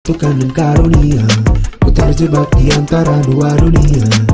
tukang dan karunia ku terjebak di antara dua dunia